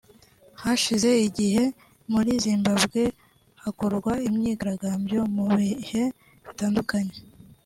Hashize igihe muri Zimbabwe hakorwa imyigaragambyo mu bihe bitandukanye